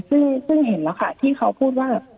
ซึ่งเห็นแล้วค่ะที่เขาพูดว่า